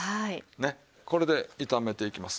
これで炒めていきます。